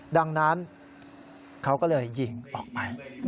ดังนั้นเขาก็เลยยิงออกไป